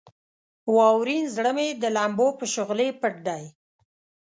واورین زړه مې د لمبو په شغلې پټ دی.